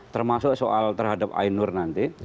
termasuk soal terhadap ainur nanti